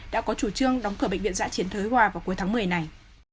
đã có chủ trương đóng cửa bệnh viện giã chiến thới hòa vào cuối tháng một mươi này